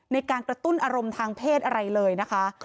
ในการกระตุ้นอารมณ์ทางเพศอะไรเลยนะคะ